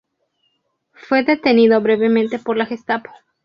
Fue detenido brevemente por la Gestapo.